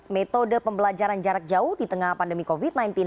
metode pembelajaran jarak jauh di tengah pandemi covid sembilan belas